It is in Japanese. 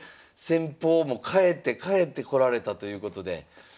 戦法も変えて変えてこられたということで。